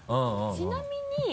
ちなみに。